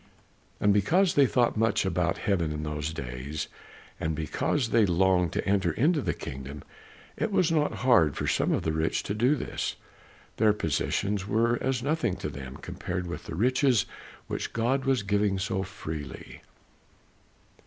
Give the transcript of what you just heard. And because they thought much about heaven in those days and because they longed to enter into the kingdom, it was not hard for some of the rich to do this. Their possessions were as nothing to them compared with the riches which God was giving so freely.